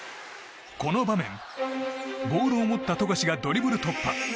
この場面、ボールを持った富樫がドリブル突破。